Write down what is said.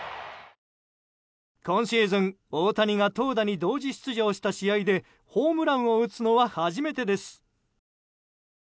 今シーズン、大谷が投打に同時出場した試合でホームランを打つのは初めてです。